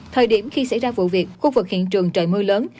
thời điểm khi xảy ra vụ việc khu vực hiện trường trời mưa lớn